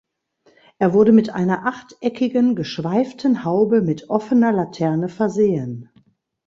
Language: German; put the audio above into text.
Er wurde mit einer achteckigen geschweiften Haube mit offener Laterne versehen.